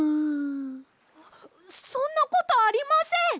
そんなことありません！